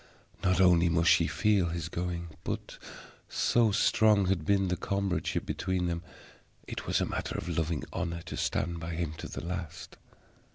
Not only must she feel his going, but, so strong had been the comradeship between them, it was a matter of loving honor to stand by him to the last.